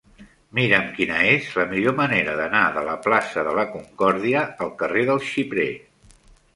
Mira'm quina és la millor manera d'anar de la plaça de la Concòrdia al carrer del Xiprer.